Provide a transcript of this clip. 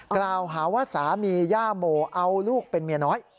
กล่าวหาว่าสามีย่าโมเอาลูกเป็นเมียน้อย